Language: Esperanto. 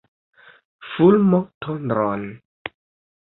Fulmotondron!